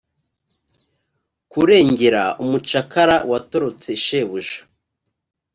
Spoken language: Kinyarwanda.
kurengera umucakara watorotse shebuja